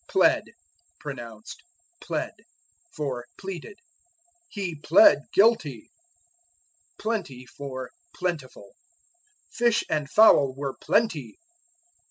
Plead (pronounced "pled") for Pleaded. "He plead guilty." Plenty for Plentiful. "Fish and fowl were plenty."